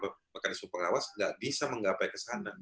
mekanisme mekanisme pengawas nggak bisa menggapai kesana